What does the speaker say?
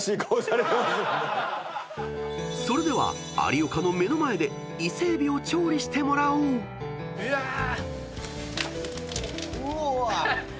［それでは有岡の目の前で伊勢海老を調理してもらおう］うわ！うーわっ！